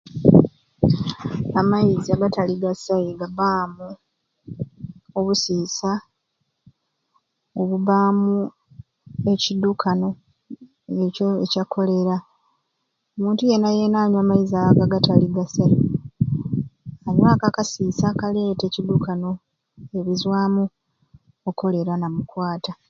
Amaizi agatali gasai gabaamu obusiisa obubaamu ekidukano ekyo ekya cholera omuntu yena yena anywa amaizi ago agatali gasai anywa akasiisa ako akaleeta ekidukano nibizwamu o'cholera namukwata